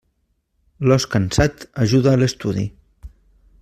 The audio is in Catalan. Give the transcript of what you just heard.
L'os cansat ajuda a l'estudi.